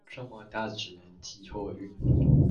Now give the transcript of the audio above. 這麼大只能寄貨運